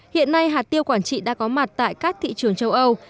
hiện nay hạt tiêu quảng trị đã có mặt tại các thị trường châu âu